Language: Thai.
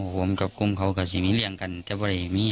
ผมกับกลุ่มเขาการซีมีเลียงกันจะบริเมี